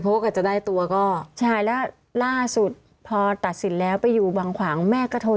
เพราะว่ากว่าจะได้ตัวก็ใช่แล้วล่าสุดพอตัดสินแล้วไปอยู่บางขวางแม่ก็โทร